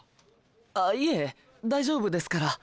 あいえ大丈夫ですから。